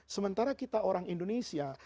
sementara kita orang indonesia